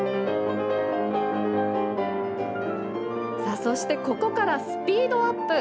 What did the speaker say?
そしてここからスピードアップ。